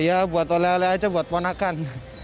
iya buat oleh oleh aja buat ponakan